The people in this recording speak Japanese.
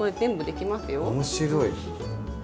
面白い。